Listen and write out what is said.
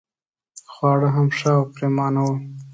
خواړه هم ښه او هم پرېمانه وو.